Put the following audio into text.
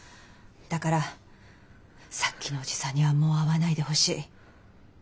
だからさっきのおじさんにはもう会わないでほしい。